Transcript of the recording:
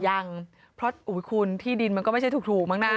ยังเพราะคุณที่ดินมันก็ไม่ใช่ถูกมั้งนะ